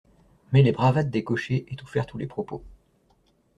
Mais les bravades des cochers étouffèrent tous les propos.